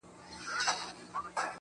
کندهار دی، که کجرات دی، که اعجاز دی~